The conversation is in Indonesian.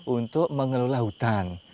untuk mengelola hutan